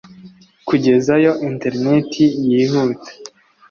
kugezayo interineti yihuta